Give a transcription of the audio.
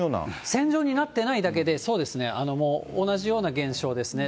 線状になってないだけで、そうですね、もう、同じような現象ですね。